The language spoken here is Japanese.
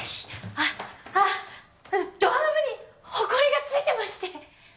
あっああドアノブにほこりが付いてまして！